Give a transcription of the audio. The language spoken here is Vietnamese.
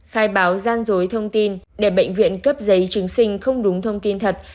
khai báo gian dối thông tin để bệnh viện cấp giấy chứng sinh không đúng thông tin thật